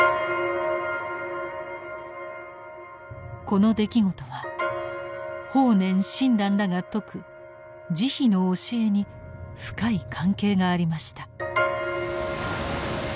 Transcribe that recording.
この出来事は法然・親鸞らが説く「慈悲」の教えに深い関係がありました。